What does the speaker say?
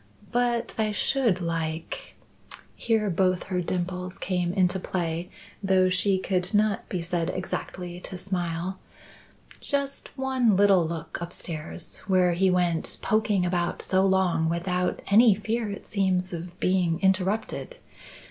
But I should like " here both her dimples came into play though she could not be said exactly to smile "just one little look upstairs, where he went poking about so long without any fear it seems of being interrupted.